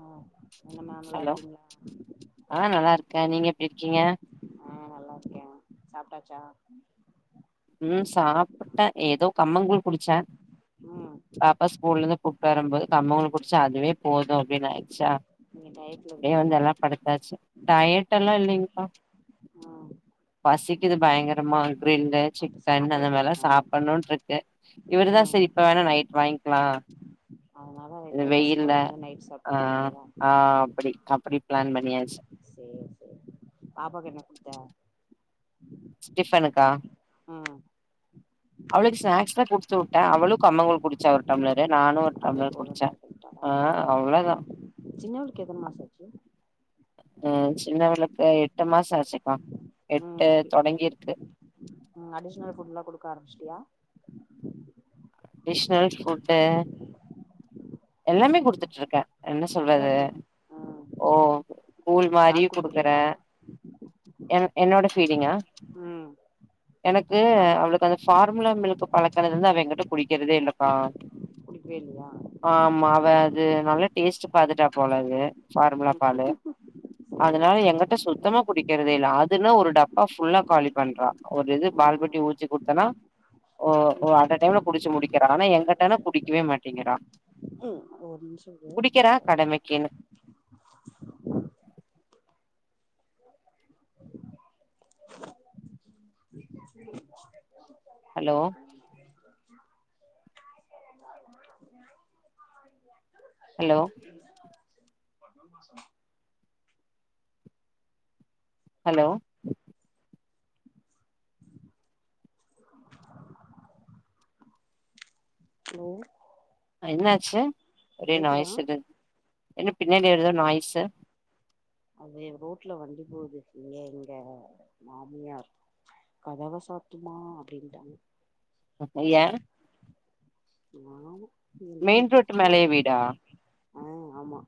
ஆ என்ன மேம் நல்லா ஹலோ இருக்கீங்களா ஆஹ் நல்லா இருக்க நீங்க எப்டி இருக்கீங்க ஆஹ் நல்லா இருக்க சாப்ட்டாச்சா உம் சாப்பிட்ட ஏதோ கம்மங்கூழ் குடிச்ச ம் பாப்பா நீங் ஸ்கூல்லந்து கூப்ட்டு வரும்போது கம்மங்கூ குடுச்ச அதுவே போது அப்டினு ஆயிச்சா நீங்க டயட்ல அப்டியே இருக்கீங்களா வந்தெல்லா படுத்தாச்சு டயட் எல்லா இல்லீங்பா ம் பசீக் இது பயங்கரமா கிரில்லு அப்ப சாப்ட கண்டதெல்லா வேண்டியதானே சாப்பிடணுனுட்டு இருக்கு இவருதா ம் செரி இப்ப வேணா நைட் வாங்கிக்கலா அதனால இந் இப்ப பசியோட வெய்யில இருந்து நைட் ஆஹ் சாப்ட்டுக்கலாங்கறியா ஆஹ் அப்டி அப்டி பிளான் பண்ணியாச்சு சேரி சேரி பாப்பாக்கு என்ன குடுத்த டிஃபனுக்கா ம் அவளுக்கு சிநேக்ஸ்தா குடுத் வி ட்ட அவளு கம்பங்கூல் குடிச்சா ஒரு டைம்லர் டியே நானு ஒரு அதே டம்ளர் குடிச்ச போதுன்ட்டு குடுத்தாளா ஆஹ் ம் அவ்ளதா சின்னவளுக்கு எத்தன மாசோ ஆச்சு ம் சின்னவளுக்கு எட்டு மாசோ ஆச்சுக்கா எட்டு ம் தொடங்கிருக்கு க்க ஆரம்பிச்சுடியா அடிஷ்னல் ஃபுட்டு எல்லாமே குடுத்துட்டு இருக்க என்ன அதா சொல்றது குடு ம் ஓ கூல் மாரியு பால் குடுக்கற குடுக்குறியா எனக் என்னோட ஃபீடீங்கா ம் எனக்கு ஆமா அவளுக்கு அந்த ஃபார்முலா மில்க் இப்ப பழக்கினதுலந்து அவ என்கிட்ட குடிக்கிறதே இல்லக்கா குடிக்கவே இல்லையா ஆமா அவ அது நல்லா டேஸ்ட் பாத்துட்டா போலது ஃபார்முலா பாலு. ம் அதனால சேரி எங்கிட்ட சேரி சுத்தமா குடிக்கிறதே இல்ல. அதுன்னா ஒரு டப்பா ஃபுல்லா காலி பண்றா. ஒரு இது பால்புட்டி ம் ஊத்தி குடுத்தனா ஓ அட்ட டைம்ல குடிச்சு முடிக்கிறா ஆனா என்கிட்டனா குடிக்கவே மாட்டேங்கிறா ஒரு நிமிஷம் குடிக்கிறா இரு கடமைக்குன்னு ஹலோ ஹலோ ஹலோ ஹலோ அ என்ன ஆச்சு ஒரே கேக்குதா நாய்ஸ் இது என்ன பின்னாடி வருதா நாய்ஸ்ஸு அது ரோட்ல வண்டி போகுது இங்க எங்க மாமியார் கதவ சாத்தும்மா அப்டீன்ட்டாங்க ஏன் [unintelligible] மெயின் ரோட்டு மேலயே வீடா ஆஹ் ஆமா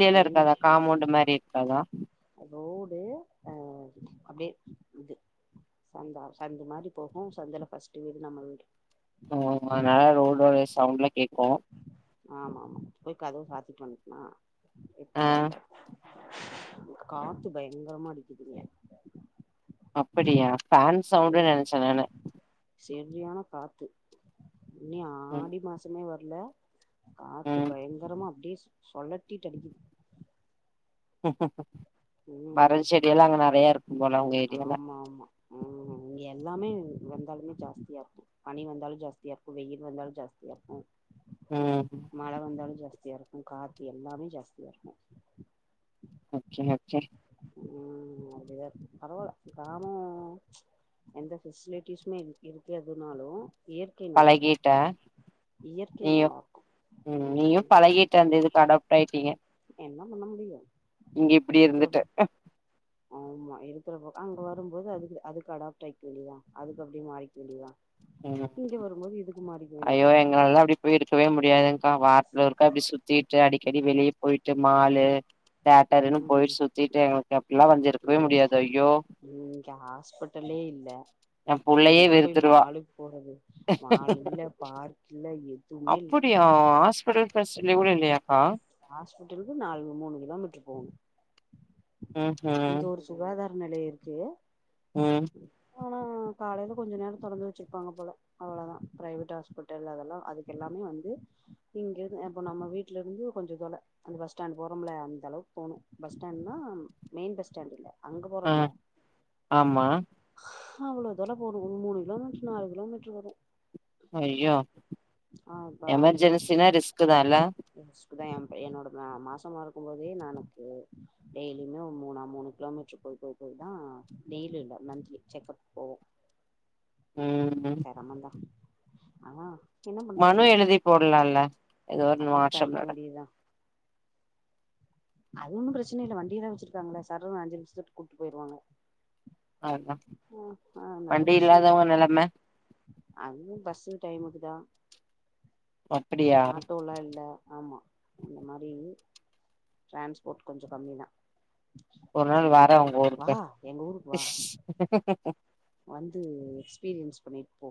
[unintelligible] மெயின் இருக்காதா காம்பௌண்ட் மாரி அதான் ரோடு அஹ் அப்டியே இது சந்தா சந்து மாரி போகும் சந்துல ஃபர்ஸ்ட்டு வீடு நம்ம வீடு ஓஹ் அதுனால ரோடோட சவுண்ட்லாம் கேக்கும் ஆமா ஆமா போய்க்கதவு சாத்திட்டு வன்டனா ஆஹ் காத்து பயங்கரமா அடிக்குது இங்க அப்படியா ஃபான் சவுண்டுனு நெனச்சே நானு எரியான காத்து இன்னி ம் ஆடி மாசமே வர் இல்ல காத்து ம் பயங்கரமா அப்டியே சு சொழட்டிட்டு அடிக்குது ம் மரம் செடி எல்லாம் அங்க நெறைய இருக்கும் போல உங்க ஏரியால உம் இங்க எல்லாமே வந்தாலுமே ஜாஸ்தியா இருக்கும் பனி வந்தாலும் ஜாஸ்தியா இருக்கும் வெயில் வந்தாலும் ஜாஸ்தியா இருக்கும் ம் மழ வந்தாலும் ஜாஸ் தியா இருக்கும் காத்து எல்லாமே ஜாஸ்தியா இருக்கும் [unintelligible] ம் அப்புடிதான் இருக்கு பரவால்ல கிராமோ ப்ச் எந்த ஃபெசிலிட்டிஸுமே இங்க இருக்கிறதுனாலும் பழகீட்ட இயற்கை நீயு நல்லா இருக்கு உம் நீயு ம் பழகிட்ட அந்த இதுக்கு அடாப் டாய்டீங்க என்ன பண்ண முடியு இங்க இப்படியே இருந்துட்டு இருக்கிறபோ அங்க வரும்போது அதுக்கு அதுக்கு அடாப்ட் ஆகிக்க வேண்டியதா அதுக்கு அப்படியே மாறிக்க வேண்டியதா உம் இங்க வரும்போது இதுக்கு மாறிக்க ஐயோ வேண்டியதா எங்களால அப்படி போய் இருக்கவே முடியாதுங் வாரத்துல ஒருக்கா அப்படி சுத்திட்டு அடி [unintelligible] வெளிய போயிட்டு மாலு தேட்டர்ன்னு ம் போயிட்டு சுத்திட்டு எனக்கு எப்படிலா வந்திருக்கவே இங்க முடியாது ஐயோ இங்க ஹாஸ்பிட்டலே இல்ல எ இங்க புள்ளையே எங்க போய் வெறுத்துருவா மாலுக்கு போறது மால் இல்ல பார்க் இல்ல எதுவுமே இல்ல அப்டியா [unintelligible] கூட இல்லையாக்கா ஹாஸ்பிட்டலுக்கு நாலு மூணு கிலோமீட்டரு போணு ஹ்உம் நிலைய இருக்கு உம் ஆனா காலையில கொஞ்ச நேரம் தெறந்து வெச்சுருப்பாங்க போல அவ்ளோதா ப்ரைவேட் ஹாஸ்பிட்டல் அதெல்லா அதுக்கெல்லாமே வந்து இங்கிருந்து இப்போ நம்ம வீட்டிலருந்து கொஞ்ச தோல அந்த பஸ் ஸ்டாண்ட் போறோம்ல அந்த அளவுக்கு போணு பஸ் ஸ்டாண்ட்னா மெயின் பஸ் ஸ்டாண்டு இல்ல அங்க போறோம்ல ஆஹ் ஆமா அவ்ளவு தோல போனு மூணு கிலோமீடரு நாலு கிலோமீட்டரு வரும் அய்யோ எமர்ஜென்சினா ரிஸ்க்தான் இல்ல [inaudible] க்குதா என் என்னோட மாசமா இருக்கும் போதே நானு டெய்லியுமே ஒரு மூணா மூணு கிலோமீட்டரு போய் போய் போய் தான் டெய்லி இல்ல மந்த்லி செக்கப் போவோ ம் சேரமதா ஆ மனு எழுதி போடலால ஏதோ ஒரு அடாப்ட் மாற்றம் ஆயிக்க நட வேண்டியதூதா அது ஒன்னு பிரச்சன இல்ல வண்டியைதா வச்சிருக்காங்கள சர்ருனு அஞ்சு நிமிஷட்டு குப்டு போயிறுவாங்க அதுதா ஆஹ் ஆஹ் அதனால வண்டி பிரச்ன இல்லா இல்லாதவங்க நெலம அதுவு பஸ் டைமுக்குதா அப்டியா ஆட்டோலா இல்ல ஆமா அந்த மாரி டிரான்ஸ்போர்ட் கொஞ்ச கம்மிதா ஒரு நாள் வரேன் உங்க ஊருக்கு எங்க ஊருக்கு வா வந்து எக்ஸ்பீரியன்ஸ் பண்ணிட்டு போ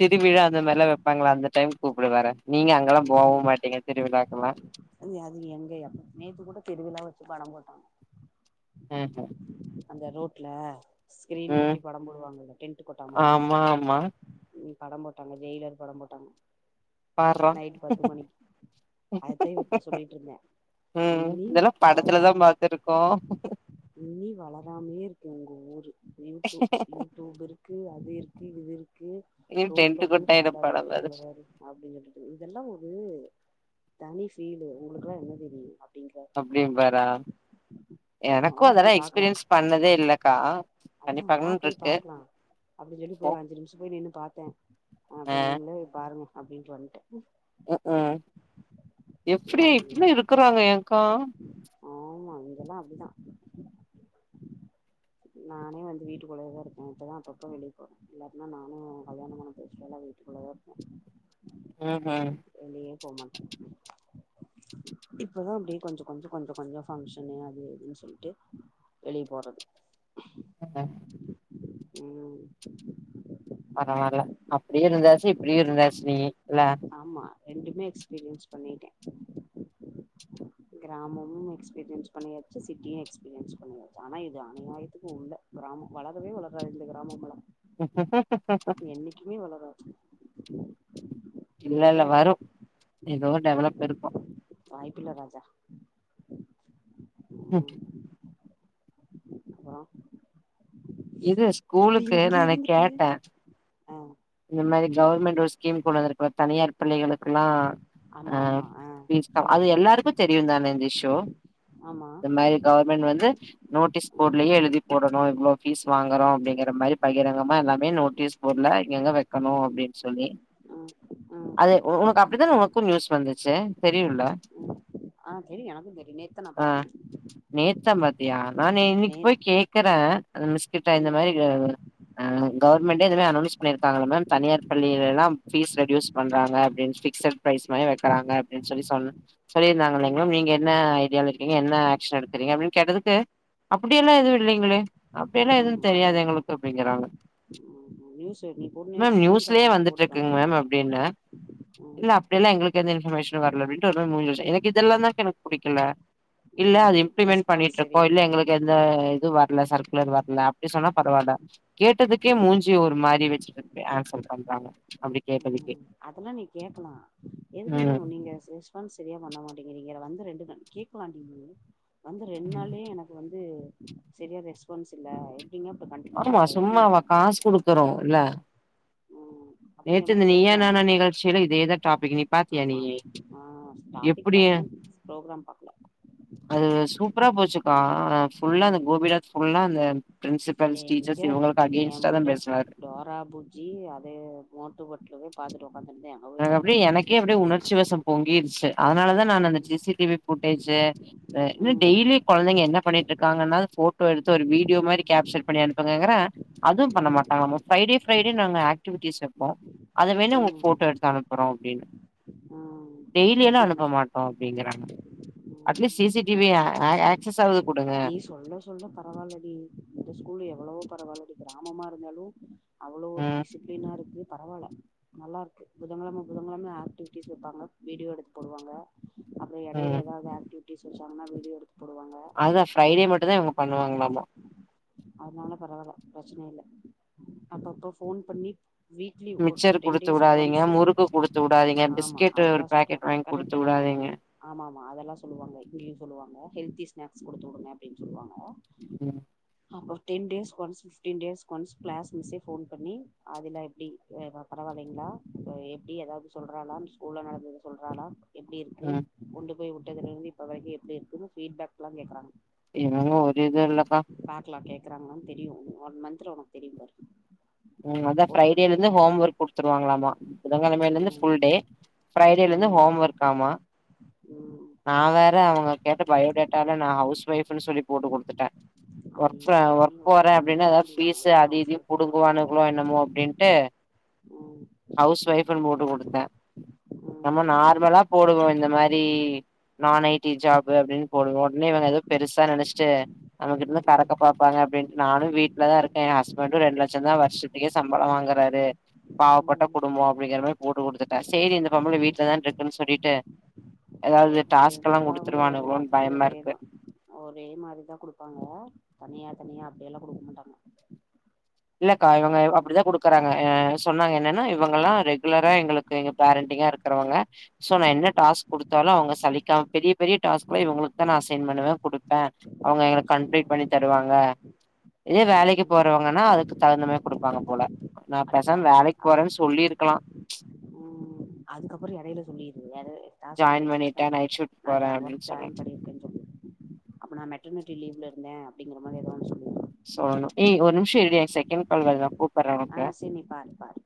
திருவிழா அந்த மாதிரிலாம் வெப்பாங்களா அந்த டைம்ல கூப்பிடு வரன் உம் அது எங்க எப் நேத்து கூட திருவிலா படம் போட்டாங்க ம்ஹும் அந்த ரோட்ல ஸ்கிரீன் ம் கட்டி படம் போடுவாங்கல டென்ட்டு கொட்டா மாரி ஆமா ஆமா ம் படம் போட்டாங்க ஜெயிலர் படம் போட்டாங்க பார்றா நைட் பத்து மணிக்கு அததேன் இவர்ட்ட சொல்லிட்ருந்தேன் ம் இனி இதெல்லா படத்துலதா வளராம பாத்துருக்கோ இனி வள செமயாருக்கு உங்க ஊரு யூட்டு யூட்யூப் இருக்கு அது இருக்கு இது இருக்கு இ ரோட்ல டென்ட் உக்காந்து கொட்டாயிட படம் அது பாத்துட்ருக்காங்க அப்டின்னு சொல்லட்டு இதெல்லா ஒரு தனி கீழ உங்களுக்கா [unintelligible] அப் அப்டிம்பாரா ஆமா வா எனக்கும் போய் அதெல்லா பாக்கலா எக்ஸ்பீரியன்ஸ் பண் அதா வா போய் இருக்கு பாக்கலா அப்டின்னு சொல்லி போ போய் அஞ்சு நிம்ஷோ போய் நின்னு பாத்தோம் அப்ப நீங்களே போய் பாருங்க அப்டின்ட்டு வந்ட்ட உக் உம் நா எப்புடி அப்டி எப்புடி இருக்கறாங்க எங்க்கா ஆமா இங்கெல்லா அப்டிதா நானே வந்து வீட்டுக்குள்ளயே தா இருக்கேன் இப்பதா அப்பப்ப வெளிய போறே இல்லாட்டினா நானு கல்யாணோ பண்ண புதுசுலலா வீட்டுக்குள்ளதா இருப்பேன் ம் ம் போமாட்டேன் இப்பதா அப்டியே கொஞ்சோ கொஞ்ச கொஞ்ச கொஞ்சோ பங்ஷனு அது இதுன்னு சொல்லிட்டு வெளிய போறது ம் பரவால்ல அப்டியு இருந்தாச்சு இப்டியு இருந்தாச்சு இல்ல ஆமா ரெண்டுமே எக்ஸ்பீரியன்ஸ் பண்ணிட்டே கிராமமு எக்ஸ்பீரியன்ஸ் பண்ணியாச்சு சிட்டியும் எக்ஸ்பீரியன்ஸ் பண்ணியாச்சு ஆனா இது அணியாயத்துக்கு உள்ள கிராமோ வளரவே வளராது இந்த கிராமம்லா ஹா ஹா ஹா ஹா வளராது ம் இல்ல இல்ல இப்டியேதா இருக்கு வரும் ம் இதோ வாய்ப்பில்ல ராஜா ஓகே அப்பறோ இது ஸ்கூலுக்கு நானு இருந்துட்டு கேட்டே ஆ இது மாரி கவர்மெண்ட் ஒரு ஸ்கீம் கொண்டு வந்துருக்கு தனியார் பள்ளிகளுக்குலா ஆ ஆமா ஆமா ஆ ஃபீஸ்தா சொல்லு அது எல்லாருக்கு தெரியு தானே இந்த இஷ்யூ ஆமா இந்த மாரி கவர்மெண்ட் வந்து நோட்டீஸ் ம் போட்லயே எழுதி போடணு இவ்ளோ ஃபீஸ் வாங்கறோ அப்டிங்கிற மாரி பகிரங்கமா எல்லாமே நோட்டீஸ் போட்ல எங்க வெக்கணு அப்டின் சொல்லி ம் ம் அது ஒ ஒனக்கு அப்டிதான ஒனக்கு நியூஸ் வந்துச்சு தெரியுல்ல ஆ தெரியு எனக்கு தெரியு நேத்து தா நா பாத்தே யா நானே இன்னக்கி நே போய் கேக்குற அந்த மிஸ்கிட்டா இந்த ம் மாரி எஹ் அ கவுர்மெண்டே இந்த மார் அனோன்ஸ் பண்ணிர்க்காங்கல்ல மேம் தனியார் பள்ளியிலெல்லா ஃபீஸ் ரெடியூஸ் பண்றாங்க அப்டின் ஃபிக்ஸட் ப்ரைஸ் மாரி வெக்கறாங்க அப்டின் சொல்லி சொன் ம் சொல்லிருந்தாங்கல்லைங்களா நீங்க என்ன ஐடியாவ்ல இருக்கீங்க என்ன ஆக்ஷன் எடுக்கறீங்க அப்டின் கேட்டதுக்கு அப்டியெல்லா எதுவு இல்லைங்களே அப்டியெல்லா எதுவ் ம் தெரியாது எங்களுக்கு அப்டிங்கறாங்க உ, நியூஸ் நீ போட்டு மேம் நியூஸ்லயே ஸ்கிரீன்ஷாட் எடுத்து போட்டு வந்துட்ருக்குங் மேம் காமிச்சிருக்கணு அப்டின்னே ம் இல்ல அப்டியெல்லா எங்களுக்கு எந்த இன்ஃபர்மேஷ் னு வர்ல அப்டின்ட்டு ஒரு மார் மூஞ்சி வெச்ட்டு எனக் இதெல்லாந்தாங் எனக் புடிக்கல இல்ல அது ம் இம்ப்ளிமெண்ட் ரெஸ்பான்ஸ் பண்ணிட்ருக்கோ இல்ல சரியில்ல எங்களுக்கு எந்த இது வர் இல்ல சர்க்குலர் வர்ல அப்டி சொன்னா பரவால்ல கேட்டதுக்கே மூஞ்சி ஒரு மாரி வெ ச்சுகிட்டு ஆன்சர் பண்றாங்க அப்டி கேட்டதுக்கே ம் அதெல்லா நீ கேக்கலா எதுக்குங்க ம் நீங்க ஸ் ரெஸ்பான்ஸ் செரியா பண்ண மாட்டிக்கிறீங்க நா வந்து ரெண் [unintelligible] கேக்கலாண்டி நீ வந்து ரெண் நாள்லயே எனக்கு வந்து செரியா ரெஸ்பான்ஸ் இல்ல [unintelligible] கண்டினியூ ஆமா பண்றது அப்டிங்கிற சும்மாவா மாரி கேக்கலா காஸ் குடுக்கறோ இல்ல ம் அப்டிங்கிற நேத்து மாரி இந்த நீயா கேக்கலா நீ நானா நிகழ்ச்சில இதேதா டாப்பிக்கு நீ பாத்தியா ஆமா நீயி ஆமா ஆ டாபிக் எப்புடியா பாத்தே ப்ரோக்ராம் பாக்கல அது சூப்பரா போச்சுக்கா அ ஃபுல்லா அந்த ம் கோபிநாத் ஃபுல்லா அந்த பிரின்சிபல்ஸ் எங்க டீச்சர்ஸ் இவங்களுக்கு ஏ அகேன்ஸ்டா தா புள்ள பேசுனாரு டோரா புஜ்ஜி அதே மோட்டு பட்லுவே பாத்துட்டு ஒக்காந்ட்ருந்த்யா அது அப்டியே எனக்கே அப்டியே உணர்ச்சி வசம் பொங்கி மிஸ்சு அதனாலதா நானு அந்த [unintelligible] ம் டி வி போட் [unintelligible] அ இன்மே ம் டெய்லி கொழந்தைங்க என்ன பண்ணிட்ருக்காங்கன்னாது ஃபோட்டோ எடுத்து ஒரு வீடியோ மாரி கேப்சர் பண்ணி அனுப்புங்கங்கறே அதுவ் பண்ண ம் மாட்டாங்களாமா ஃப்ரைடே ஃப்ரைடே நாங்க ஆக்டிவிட்டீஸ் வெப்போ அத வேணா உங்கு ம் ஃபோட்டோ எடு அனுப்புறோ அப்டின் ம் டெய்லியெல்லா அனுப்ப மாட்டோ அப்டிங்கறாங்க ம் at least C C T V அ அ அ ஆக்சஸ்ஸாவ்து நீ சொல்ல சொல்ல பரவாலடி இந்த ஸ்கூலு எவ்ளவோ பரவாலடி கிராமமா இருந்தாலு அவ்ளோ ஒரு ம் டிசிப்ளீனா இருக்கு பரவால்ல நல்லா இருக்கு புதங்கெழம புதங்கெழம ஆக்டிவிட்டிஸ் வெப்பாங்க வீடியோ எடுத்து போடுவாங்க அப்பறம் எடயில ம் ஏதாவது அக்டிவ் [unintelligible] போடுவாங்க அதுதா ஃப்ரைடே மட்டு தான் இவுங்க பண்ணுவாங்களாமா அதுனால பரவால்ல பிரச்சன இல்ல அப்பப்ப ஃபோன் பண்ணி வீக்லி ஒ மிச்சர் டென் குடுத்து டேஸ் விடாதீங்க ஒன்ஸ் முறுக்கு குடுத்து விடாதீங்க ஆமா பிஸ்கெட் ஒரு அதெலாம் பாக்கெட் சொல்லுவாங்க வாங்கி குடுத்து கரெக்டு ஆ விடாதீங்க ஆமா அதெல்லாம் இங்கயும் சொல்லாங்க ஹல்த்தி ஸ்னாக் ஸ்நாக்ஸ் குடுத்து விடுங்க அப்டினு சொல்லுவாங்க ம் அப்பறம் டென் டேஸ்கு ஒன்ஸ் ஃபிஃப்டீன் டேஸ்கு ஒன்ஸ் கிளாஸ் மிஸ்ஸே போன் பண்ணி ஆதிலா எப்டி பரவாயில்லங்களா இப்ப எப்டி ஏதாவது சொல்றாலா ஸ்கூல்ல நடந்தத சொல்றலா எப்டி இருக்கு ம் ஒண்டு போய் உட்டதுலருந்து இப்ப வரைக்கு எப்டி இருக்குனு பீட்பேக்லாம் கேக்குறாங்க என்னவோ ஓர் இதும் இல்ல கா பாக்கலா கேக்குறாங்கலானு தெரியு ஒன் மந்துல உனக்கு தெரியும் பாரு உ அதான் ஃபோன் பண்ணி ப்ரைடேல இருந்து கேக்குறாங்க ஹோம் ஒர்க் குடுத்துருவாங்களாமா புதங்கிழமயிலருந்து ம் புல் டே ஃரைடேலந்து ம் ஹோம் ஒர்க் ஆமா ம் நான் வேற அவங்க கேட்ட பயோடேட்டால நான் ஹவுஸ் வைப்னு சொல்லி போட்டு குடுத்துட்டேன் ஒர்க் ப ஐய்யய்யோ நீ ஒர்க் போறேன் ஒர்க்கிங் அப்டினு போட அதாவது வேண்டியதான ஃபீஸ் எதுக்கு அத ஹவுஸ் இதயும் ஒய்ஃப்னு புடுங் போட்ட என்னமோ அப்டின்ட்டு ம் ஹவுஸ்ப் போட்டு குடுத்தேன் நம்ம ம் நார்மலா போடுவோம் இந்த மாதிரி நான் ஐடி ஜாப் அப்டின்னு போடுவோம் உடனே இவங்க ஏதோ பெருசா நெனைச்சிட்டு நமக்கிட்டருந்து ம் கறக்கபப்பாங்க அப்டினு நானு வீட்ல தான் இருக்கே எ ஹ்ஸ்பண்ட் ரெண்டுலட் ரெண்டு லட்சம் தான் வருஷத்துகே சம்பளம் வாங்குறாரு பாவப்பட்ட ம் குடும்பம் அப்டிங்கிற மாரி போட்டு குடுத்துட்டே சேரி இந்த பொம்பள வீட்டுலதா இருக்குனு சொல்லிட்டு ஏதாவது எப்டி டாஸ்க் எல்லா இருந்தாலும் அவங்க குடுத்துருவானுங்களோன்னு எல்லாத்துக்கு பயமா இருக்கு ஒரேதான் ஒரே மாரிதான் குடுப்பாங்க தனியா தனியா அப்டில்லாம் குடுக்க மாட்டாங்க இல்லகா இவங்க எல்லாத்துக்கு ஒரு அப்டிதான் குடுக்குறாங்க சொன்னாங்க என்னன்னா இவங்கலாம் ரெகுலரா எங்களுக்கு பாரேண்டிங் அ இருகுறவங்க சொ நா என்ன ம்ஹும் டாஸ்க் கொடுத்தாலும் அவங்க சலிக்காம பெரிய பெரிய டாஸ்க்மெ இவங்களுக்கு தா ன்ஸ் அஸ்சைன் பண்ணுவே அவங்க வச்சு கம்ப்ளீட் குடுத்துரு பண்ணிதருவாங்க இதே வேலைக்கு ம் போறவங்கா தகுந்தமா கொடுப்பாங்க போல அத பாவி அப் உம் அதுக்கப்பறம் எடயில சொல்லி [unintelligible] டாஸ்க் ஜாயின் நிறையா இருந்துச்சுனா பண்ணிட்டே நைட் ஷிஃப்ட் போறே நா ஒர்க் அப்டின்னு ஜாய்ன் சொல்லனு பண்ணிருக்கேனு சொல்லு அப்ப நா மேட்டர்நிட்டி லீவல இரு அப்படிங்க மாதிரி எதான சொல்லு சோ ஏய் ஒரு நிமிஷ இரு எனக்கு செகண்ட் கால் வருத ஆ செரி நீ பாரு பாரு